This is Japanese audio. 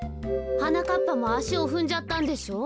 はなかっぱもあしをふんじゃったんでしょう？